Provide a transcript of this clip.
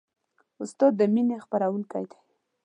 استاد د مینې خپروونکی دی.